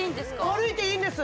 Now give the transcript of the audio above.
歩いていいんです